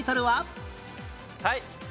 はい。